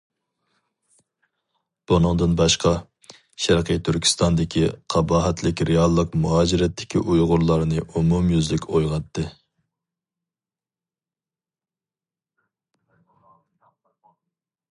بۇنىڭدىن باشقا، شەرقىي تۈركىستاندىكى قاباھەتلىك رېئاللىق مۇھاجىرەتتىكى ئۇيغۇرلارنى ئومۇميۈزلۈك ئويغاتتى.